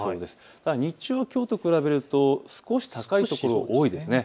ただ日中はきょうと比べると少し高い所が多いです。